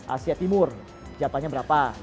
asia timur jatahnya berapa